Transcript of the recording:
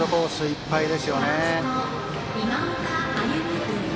いっぱいですよね。